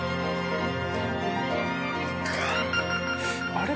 あれ？